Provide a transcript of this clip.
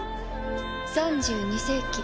３２世紀。